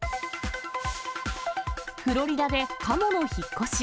フロリダでカモの引っ越し。